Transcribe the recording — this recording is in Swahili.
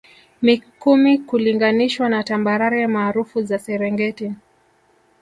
mikumi kulinganishwa na tambarare maarufu za serengeti